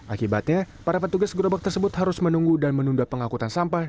akibatnya para petugas gerobak tersebut harus menunggu dan menunda pengangkutan sampah